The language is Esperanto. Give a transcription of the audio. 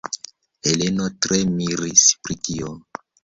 Heleno tre miris pri tio.